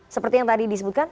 seperti yang tadi disebutkan